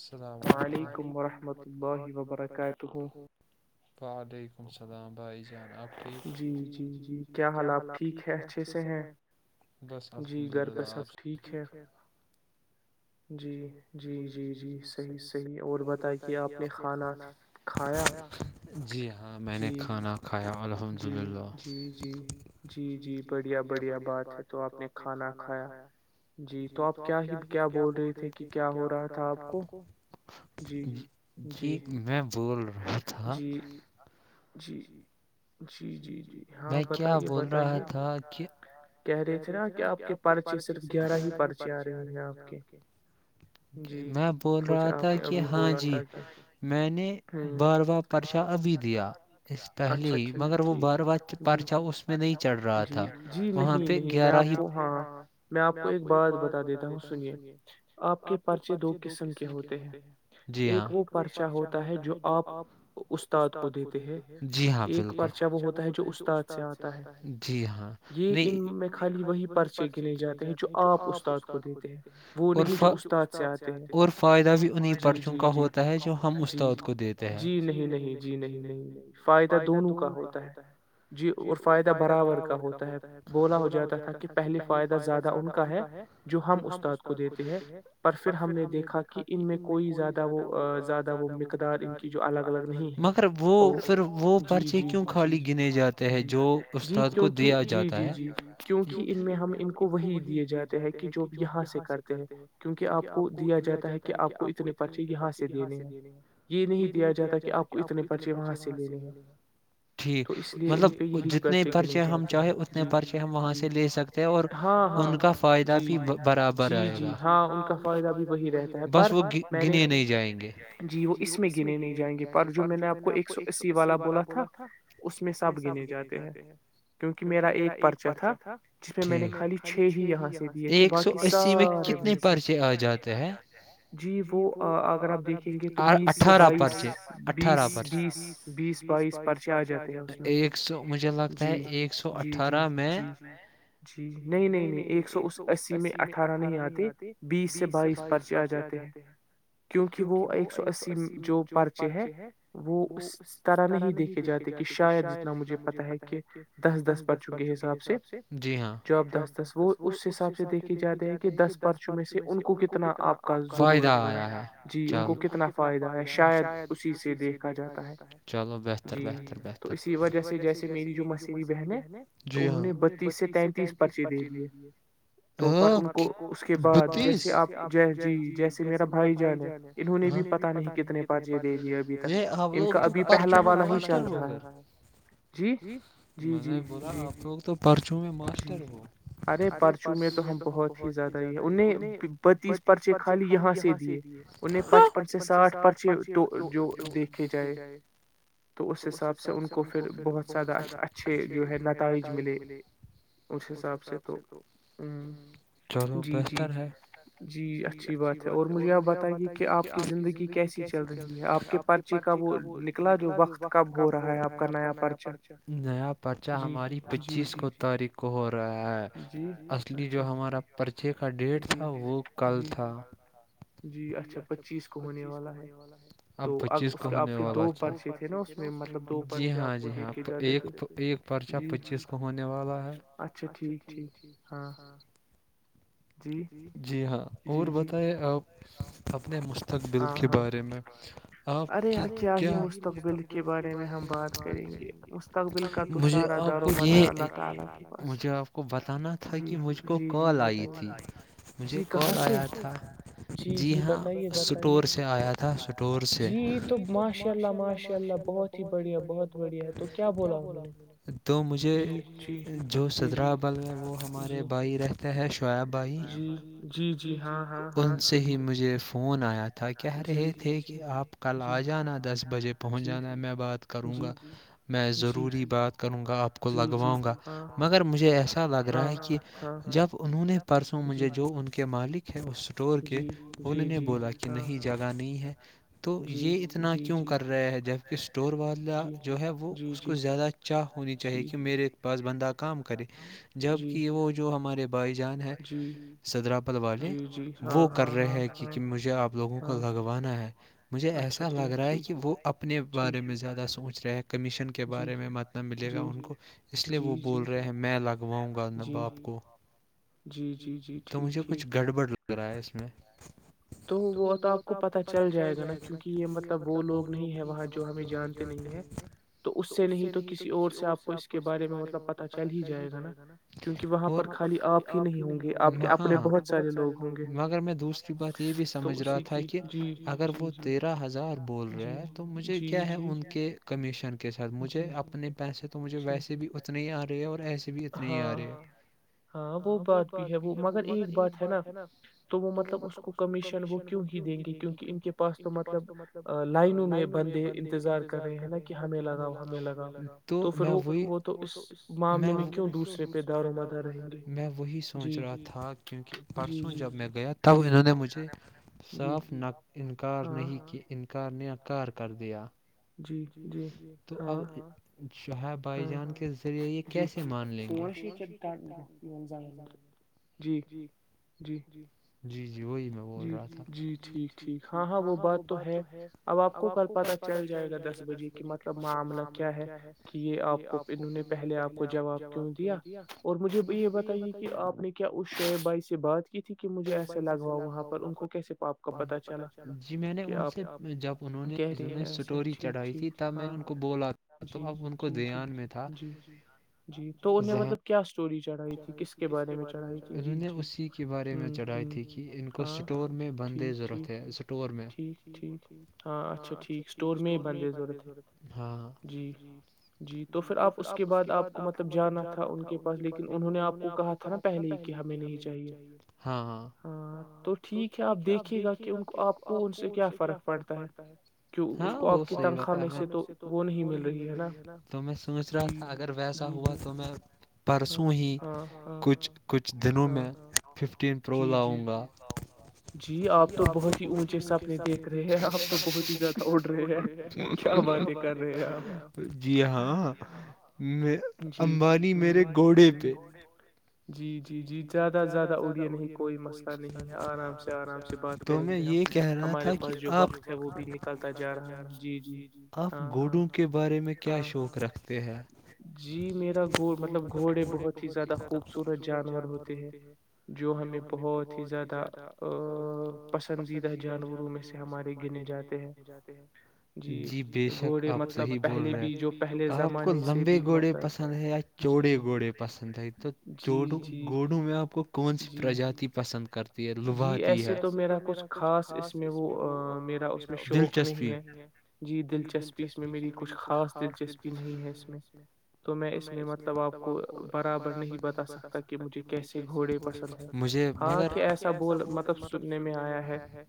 السلامل علیکم ورحمۃ اللہ وبرکاتہ وعلیکم اللام بھائی جان آپ ٹھیک ہو جی جی جی کیا حالات ٹھیک ہے اچھے سے ہیں بس الحمد للہ جی جی جی صحیح صحیح اور بتائی کہ آپ نے کھانا کھایا جی ہاں میں نے کھانا کھایا جی جی جی جی جی بڑھیا بڑھیا بات ہے تو آپ نے کھانا کھایا جی تو آپ کیا ہی کیا بول رہے تھے کہ کیا ہو رہا تھا کتاپ کو جی میں بول رہا تھا میں کیا بول رہا تھا کہ کہہ رہے تھے نا کہ آپ کے پرچے صرف گیارہ ہی پرچے آ رہے ہیں آپ کے میں بول رہا تھا کہ ہاں جی میں نے نے بار بار پرچا ابھی دیا اس پہلے ہی مگر وہ بار بار پرچا اس میں نہیں چڑھ رہا تھا نہیں میں آپ کو ہاں میں آپ کو ایک بات بتا دیتا ہوں سنیے آپ کے پرچے دو قسم کے ہوتے ہیں ایک وہ پرچا ہو جو آپ استاد کو دیتے ہیں جی ہاں بالکل پرچہ وہ ہوتا ہے جو استاد سے آتا ہے جی ہاں خی وہی پرچے گنے جاتے ہیں جو آپ اسد کوتے اور اسد سے اور فائدہ بھی انیں پرچوں کا ہوتا ہے جو ہم جی جی نہیں نہیں جی نہیں نہیں نہیں فائدہ دونوں کا ہوتا ہے جی اور فائدہ برابر کا ہوتا ہے بولا ہو جاتا تھا کہ پہلے فائدہ زیادہ ان کا ہے جو ہم استاد کو دیتے ہیں پر پھر ہم نے دیکھا کہ ان میں کوئی زیادہ وہ زیادہ مقدار ال الگ مگر وہ پھر وہ پرچے کیوں خالی گنے جاتے ہیں جو استاد کو دیا جاتا جی جی کیوں کہ ان میں ہم ان کو وہی دیے جاتے ہیں کہ جو یہاں سے کرتے ہیں کیوںکہ آپ کو دیا جاتا ہے کہ آپ کو اتنے پرچے یہاں سے دینے ہیں یہ نہیں دیا جاتا کہ آپ کو اتنےچےاں سے ٹھیک مطلب جتنے پرچے ہم چاہیں اپنے پرچے ہم وہاں سے لے سکتے ہیں اور ان کا فائدہ بھی برابر آئے گا ہاں کا فد بھی بس وہ گنے نہیں جائیں گے جی وہ اس میں گنے نہیں جائیں گے پر جو میں نے آپ کو ایک سو اسی والا بولا تھا اس میں سب گنے جاتے ہیں کیونکہ میںیر ایک پرچا تھا جس میں میں نے خالی چھے ہی یہاں سے دیے تھے باقی سارے وہ سےات جی وہ اگر آپ دیک اٹھارہ پرچے اٹھارہ پرچے بیسسچ ایک سو مجھے لگتا ہے ایک سو جی جی نہیں نہیں نہیں ایک سو اسی میں اٹھارہ نہیں آتے بیس سے بائیس پرچے آ جاتے ہیں کیونکہ ایک سو اسی جو پرچے ہے وہ اس طرح نہیں دیکھے جاتے کہ شاید جتنا مجھے پتا ہے کہ دس دس پرچوں پرچوں کے حساب سے جی ہاں جو آپ دس دس وہ اس حساب سے دیکھے جاتی ہیں کہ دس پرچوں میں سے ان کو کتنا آپ کا فائدہ آیا ہے ان کو کتنا فائدہ ہے شاید اسی سے دیکھا جاتا ہےو تو اسی وجہ سے جیسے میری جو م بہنیں جی ہاں انہوں نے بتیس سے تینتیس پرچے دے دیے ان کو جیسے آپ جی جیسے میرا بھائی ج ان نے بھی پتا نہیں کتنے پ دے دی ج پوکت پرچوں میں ماسٹر ہ ارے پرچوں میں تو ہم بہت ہی زیادہ یہ انہیں بتیس پرچے خالی یہاں سے دیے پچپن سے ساٹھ پرچے جو دیکھے جائے تو اس حساب سے ان کو پھر بہت سدہ اچھے نا کاالج ملے اس حساب سے تو چلو بہتر ہے جی اچھی بات ہے اور مجھے آپ بتائیے کہ آپ کی زندگی کیسی چل رہی ہے آپ کے پرچے کا وہ نکلا جو وقت کب ہو رہا ہے آپ کا نیا پرچہ نیا کیا ہماری پچیس کو تاریخ کو ہو رہا ہے اصلی جو ہمارا پرچے کا ڈیٹ تھا وہ کل تھا جی اچھا پچیس کو ہو والا آپ پچیس کو ہونے والا جی ہاں جی ہاں تو اچھا پچیس کو ہونے والا اچھا ٹھیک ٹھیک ہاں جی ہاں اور بتائے اپنے مشل مستقبل کے بارے میں آپ کیا مستقبل کے بارے میں ہم بات کریں گے مق مجھے آپ کو یہ مجھے آپ کو بتانا تھا کہ مجھ کو کال آئی تھی مجھے کال آیا تھا جی ہاں اسٹور سے آیا تھا اسٹور سے یہ تو ماشاء اللہ ماشاء اللہ بہت ہی بڑھیا بہت بڑھیا تو کیا بولا تو مجھے جو سدرابل ہے وہ ہمارے بھائی رہتے ہیں شعیب بھائی ان سے ہی مجھے فون آیا تھا تھا کہہ رہے تھے کہ آپ کل آ جانا دس بجے پہنچ جانا میں بات کروں گا میں ضروری بات کروں گا آپ کو لگواؤں گا مگر مجھے ایسا لگ رہا ہے کہ جب انہوں نے پرسوں مجھے جو ان کے مالک ہے اس اسٹور کے انہوں نے بولا کہ نہیں جگہ نہیں ہے تو یہ اتنا کیوں کر رہے ہے جب کہہ اسٹور والا جو ہے وہ اس کو زیادہ چاہ ہونی چاہیے کہ میرے پس بندہ کام کرے جبکہ وہ جو ہمارے بھائی جان ہے سدرا پل والے وہ کر رہے ہیں کہک مجھے آپ لوگوں کو لگوانا ہے مجھے ایسا لگ رہا ہے کہ وہ اپنے بارے میں زیادہ سوچ رہے ہیں کمیشن کے بارے میں مت ملے گا ان کو اس لیے وہ بول رہے ہیں میں لگواؤں گا ن باپ کو جی جی تو مجھے کچھ گڑبڑ لگ رہا ہے اس میں تو وہ تو آپ کو پتا چل جائے گا نا کیونکہ یہ مطلب وہ لوگ نہیں ہے وہاں جو ہمیں جانتے نہیں ہے تو اس سے نہیں تو کسی کسی اور سے آپ کو اس کے بارے میں مطلب پتا چل ہی جائے گا نا کیوںکہ وہاں پر خالی آپ ہی نہیں ہوں گےے بہت سارے لوگ ہ مگر میں دوسری بات یہ بھی سمجھ رہا تھا کہ اگر وہ تیرہ ہزار بول رہے ہے تو مجھے کیا ہے ان کے کمیشن کے ساتھ مجھے اپنے پیسے تو مجھے ویسے بھی اتنے ہی آ رہے ہیں اور ایس ہاں وہ بات بھی ہے وہ مگر ایک بات ہے نا تو وہ مطلب اس کو کمیشن وہ کیوں ہی دیں گے کیک ان کے پاس تو مطلب لائنوں میں بندے انتظار کر رہے ہیں نا کہ ہمیں لگاؤ ہمیں لگاؤ تو پھر وہ وہ تو اس معاملے میں وہی سوچ رہا تھا کیک پرسوں جب میں گیا تب انہوں نے مجھے صاف انکار نہیں انکار گار کر دیا جی ج تو اب شہ بھائی جان کے ذریعے یہ کیسے مان لیں گے جی جی جی جی جی وہی میں بول رہا تھا جی ٹھیک ٹھیک ہاں ہاں وہ بات تو ہے اب آپ کو کل پتا چل جائے گا دس بجے کی مطلب معاملہ کہ یہ آپ کو انہوں نے پہلے آپ کو جواب کیوں دیا اور مجھے یہ بتائیے کہ آپ نے کیا اس شع بع سے بات تھی کہ مجے ایسا لگا وہاں جی میں نے ان سے جب انہوں نے سٹوری چڑھائی تھی تب میں ان کو بولا تو اب ان کو دان میں تھا ذ ت کس کے بارے میں انہوں نے اسی کے بارے میں چڑھائی تھی کہ کوٹور میں بند ضرورت ہےٹور ہاں اچھا ٹھیک اسٹور میں بند ضورت ہاں جی جی تو پھر آپ اس کے بعد آپ کو مطلب جانا تھا ان لیکن انہوں نے آپ کو کہا تھا نا پہلے ہی کہ ہمیں نہیں چاہیے ہاں تو ٹھیک ہے آپ دیکھیے گا کہ آپ کو ان سے کیا فرق پڑتا ہےی تو وہ نہیں مل رہی ہے نا تو میں سوچ رہا تھا اگر ویسا ہوا تو میں پرسوں ہی کچھ کچھ دنوں میں ففٹین پرو لاؤں گا جی آپ کو بہت ہی اونچے سپنے دیکھ رہے ہیں آپ کو بہت ہی زیادہ اڑ رہے ہیں جی ہاں میں امبانی میرے اڈی پہ جی جی جی زیادہ سے زیادہ اوڈیا نہیں کوئی مسئلہ آرام سے آرام تو میں یہ کہہ رہا تھا کہ آپ وقت ہے وہ بھی نکلتا جا رہا ہے ج ج آپ گھوڑوں کے بارے میں کیا شوق رکھتے ہیں جی میں گ مطلب گھوڑے بہت ہی زیادہ خوب جانور ہوتے ہیں جو ہمیں بہت بہت ہی زیادہ پسندیدہ جانوروں میں سے ہمارے گنے جاتے ہیں جی بے شک آپ صحیح بول رہے ہیں آپ کو لمبے گھوڑے پسند ہے یا چوڑے گھوڑے پسند ہے تو چوڈو گوڈوں میں آپ کو کون سی پرجاتی پسند کرتی ہے لبھاتی ہے ایسے تو میرا کچھ خاص اس میں وہ میرا دلچسپی نہیں ہے جی دلچسپی اس میں میری کچھ خاص دلچسپی نہیں ہے اس میں تو میں اس میں مطلب آپ کو برابر نہیں سکتا کہ مجھے کیسے گھوڑے پس مجھے مگر آ ایسا بول مطلب سننے میں آیا ہے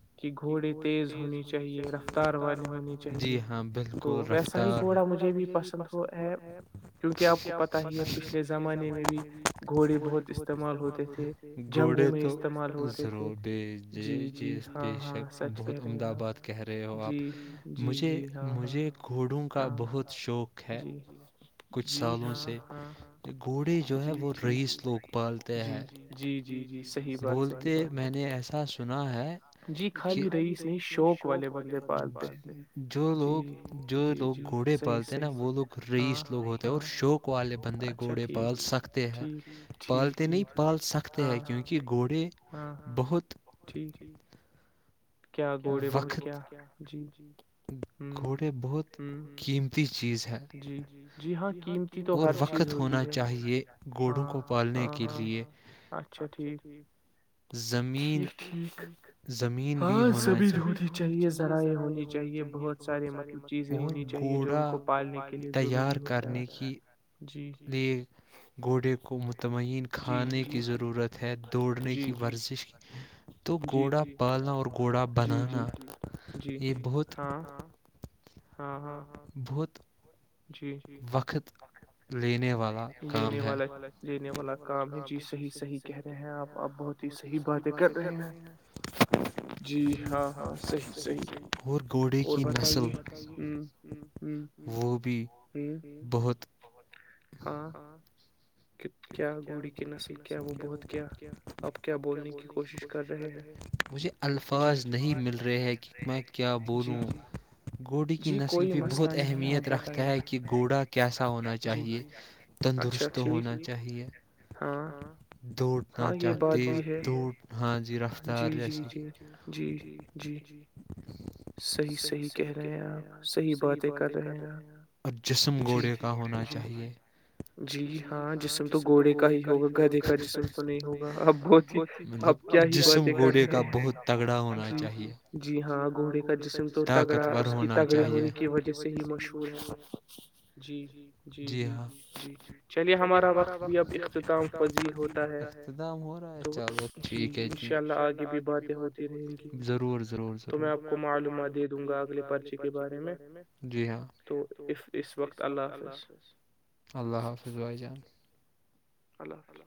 کہ گھوڑے تیز ہونے چاہیے رفتار وال جی ہاں بالکل رفتار یہ گھوڑا مجھے بھی پسند ہو کیونکہ آپ کو پتہ ہی ہے پچھلے زمانے میں بھی گھوڑے بہت استعمال ہوتے تھے جنگ تو ضرور بی جی جی بے شک بہت احمد آباد کہہ رہے ہو آپ مجھے مجھے گھوڑوں کا بہت شوق ہے کچھ سالوں سے گھوڑے جو ہے وہ ریس لوک پالتے ہیں ج ج بولتے میں نے ایسا سنا ن ہے رئیس شوقے ب جو لوگ جو لوگ گھوڑے پالتے ہیں نا وہ لوگ رئیس لوگ ہوتے ہیں اور شوق والے بندے گھوڑے پال سکتے ہیں پالتے نہیں پال سکتے ہیں کیونکہ گھوڑے بہت ٹھیک وقت ج گھوڑے بہت قیمتی چیز ہے اور وقت ہونا چاہیے گوڑوں کو پالنے کے لیے اچا زمین زمین بھی چاہیے ذرائع ہو چاہیے بہت سارے مل اور گھوڑا کو تیار کرنے کی لیے گھوڑے کو مطمئن کھانے کی ضرورت ہے دوڑنے کی ورزش تو گوڑا بالنا اور بنانا یہ بہت بہت ج وقت لینے والا کام ہے لینے والا کام ہے جی صحیح صحیح کہہ رہے ہیں آپ بہت ہی صحیح باتیں کر رہے ہیں جی ہاں صحیححیح اور گھوڑے کی نسل بتائیے وہ بہت کیا بولنے کی کوشش کر رہے مجھے الفاظ نہیں مل رہے ہیں کہ میں کیا بولوں گھوڑے کی نسل بھی بہت اہمیت رکھتا ہے کہ گھوڑا کیسا ہونا چاہیے تندرست ہونا چاہیے ہ اتنا چاہ تیز دڑ ہاں جی رفتار جیسے صحیح صحیح کہہ رہے ہیں آپ صحیح باتیں کر رہے ہیں آپ جسم گوڑے کا ہونا چاہیے جی ہاں جسم تو گھوڑے کا ہی ہوگا گڑے کا جسم تو نہیں ہوگا اب بہت مطلب جسم گھوڑے کا بہت تگڑا ہونا چاہیے جی ہاں گھوڑے کا جسم طاقتور ہونا چاہیے کی وجہ سے ہی مشہور ہے جی جی جی جی چلی چلیے ہمارا وقت اب اختام ہوتا ہےا ٹھیک ہے ان شاء اللہ آگے بھی باتیں ہوتی رہی ضرور ضرور ضور تو میں آپ کو معلومات دے دوں گا اگلے پرچے کے بارے میں جی ہاں اس وقت اللہ حافظ ا [inaudible] اللہ حافظ